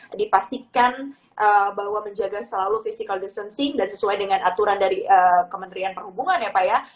ini dipastikan bahwa menjaga selalu physical distancing dan sesuai dengan aturan dari kementerian perhubungan ya pak ya